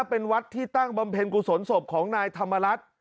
เป็นวัดที่ตั้งบำเพ็ญกุศลศพของนายธรรมรัฐ